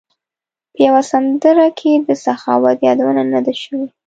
په یوه سندره کې د سخاوت یادونه نه ده شوې.